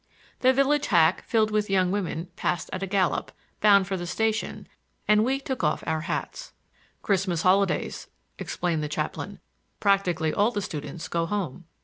The village hack, filled with young women, passed at a gallop, bound for the station, and we took off our hats. "Christmas holidays," explained the chaplain. "Practically all the students go home."